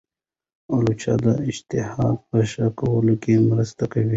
الوچه د اشتها په ښه کولو کې مرسته کوي.